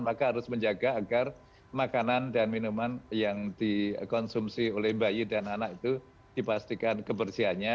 maka harus menjaga agar makanan dan minuman yang dikonsumsi oleh bayi dan anak itu dipastikan kebersihannya